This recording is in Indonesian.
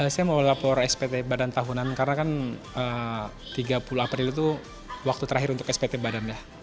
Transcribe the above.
saya mau lapor spt badan tahunan karena kan tiga puluh april itu waktu terakhir untuk spt badan ya